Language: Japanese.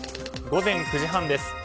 午前９時半です。